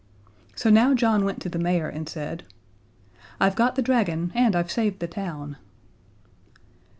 So now John went to the mayor, and said: "I've got the dragon and I've saved the town."